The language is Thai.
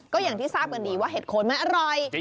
ก็อย่างที่ทราบกันดีว่าเห็ดโคนมันอร่อย